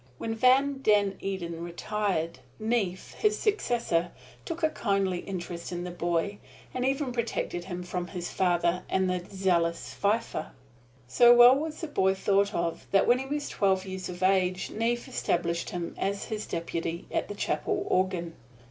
When Van den Eeden retired, Neefe, his successor, took a kindly interest in the boy and even protected him from his father and the zealous Pfeiffer. So well was the boy thought of that when he was twelve years of age Neefe established him as his deputy at the chapel organ.